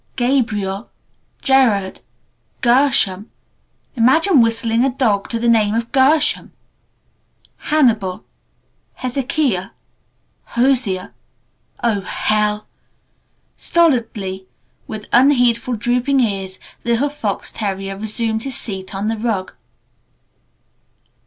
Gabriel Gerard Gershom (Imagine whistling a dog to the name of Gershom!) Hannibal Hezekiah Hosea (Oh, Hell!)" Stolidly with unheedful, drooping ears the little fox terrier resumed his seat on the rug.